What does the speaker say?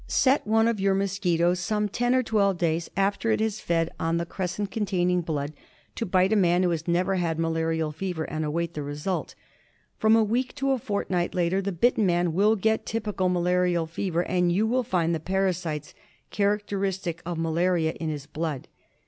Set one of your mosquitoes, some ten or twelve days after it has fed on the crescent cdntaining blood, to bite a man who has never had malarial fever, and await the result. From a week to a fortnight later the bitten man will get typical malarial fever, and you will find the parasites characteristic of malaria in his blood.